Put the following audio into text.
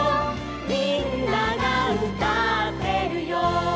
「みんながうたってるよ」